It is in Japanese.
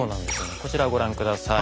こちらご覧下さい。